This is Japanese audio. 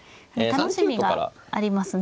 楽しみがありますね